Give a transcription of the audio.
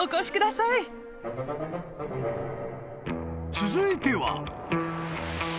［続いては］